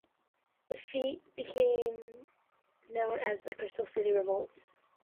The feat became known as the Crystal City Revolts.